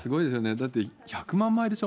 だって１００万枚でしょ。